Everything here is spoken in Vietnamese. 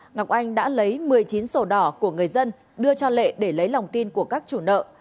ngọc anh đã lấy một mươi chín sổ đỏ của người dân đưa cho lệ để lấy lòng tin của các chủ nợ